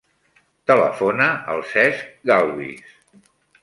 Telefona al Cesc Galvis.